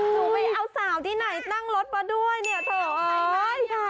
หนูไปเอาสาวที่ไหนนั่งรถมาด้วยเนี่ยเถอะใครไม่ค่ะ